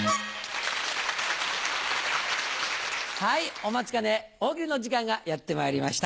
お待ちかね大喜利の時間がやってまいりました。